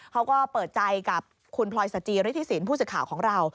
เขาก็เปิดใจกับคุณพลอยสจิฤทธิสินผู้สื่อข่าวของเรา